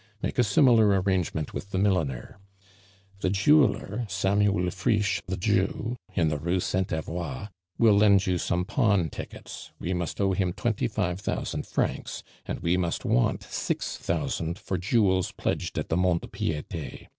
Make a similar arrangement with the milliner. The jeweler, Samuel Frisch the Jew, in the Rue Saint Avoie, will lend you some pawn tickets; we must owe him twenty five thousand francs, and we must want six thousand for jewels pledged at the Mont de Piete.